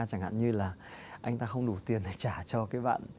chẳng hạn như là anh ta không đủ tiền để trả cho cái bạn